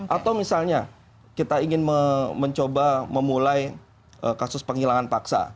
atau misalnya kita ingin mencoba memulai kasus penghilangan paksa